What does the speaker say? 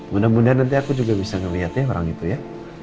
mudah mudahan nanti aku juga bisa ngeliatnya orang itu ya